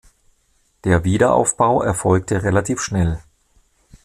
Der Wiederaufbau erfolgte relativ schnell.